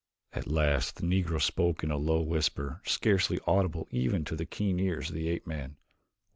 At last the Negro spoke in a low whisper, scarcely audible even to the keen ears of the ape man.